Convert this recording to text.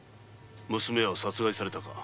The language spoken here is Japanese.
娘が殺害されたか。